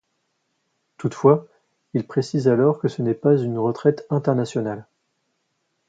Toutefois, il précise alors que ce n'est pas une retraite internationale.